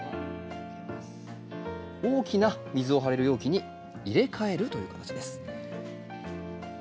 大きな水を張れる容器に入れ替えるというかたちです。